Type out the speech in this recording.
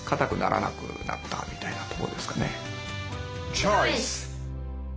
チョイス！